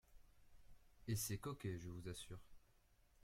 Et c’est coquet, je vous assure.